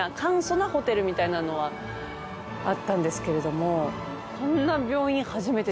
みたいなのはあったんですけれども。